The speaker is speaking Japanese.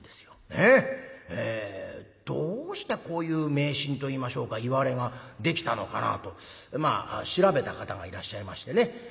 ねえ。どうしてこういう迷信といいましょうかいわれができたのかなあとまあ調べた方がいらっしゃいましてね。